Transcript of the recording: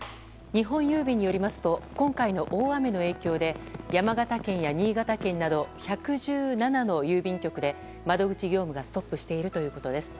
日本郵便によりますと今回の大雨の影響で山形県や新潟県など１１７の郵便局で窓口業務がストップしているということです。